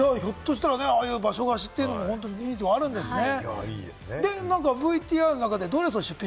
ひょっとしたら場所貸しっていうのもニーズあるんですね。